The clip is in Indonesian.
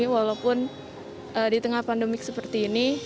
walaupun di tengah pandemik seperti ini